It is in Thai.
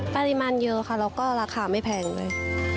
ปริมาณเยอะค่ะแล้วก็ราคาไม่แพงเลย